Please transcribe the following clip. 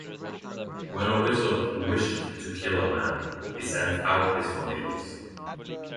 When a wizard wished to kill a man, he sent out his familiars.